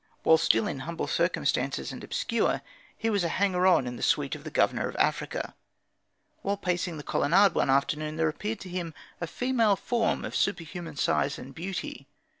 While still in humble circumstances and obscure, he was a hanger on in the suite of the Governor of Africa. While pacing the colonnade one afternoon, there appeared to him a female form of superhuman size and beauty.